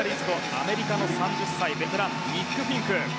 アメリカの３０歳、ベテランニック・フィンク。